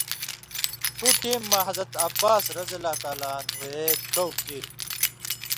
ݜُو ٹېم مہ حضرت عباسؓ اے کٶ کیریۡ